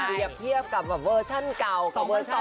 เปรียบเทียบกับเวอร์ชั่นเก่า